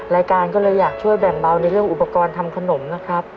รายการก็เลยอยากช่วยแบ่งเบาในเรื่องอุปกรณ์ทำขนมนะครับ